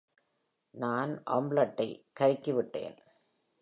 நான் ஆம்லெட்டை கருக்கிவிட்டேன்.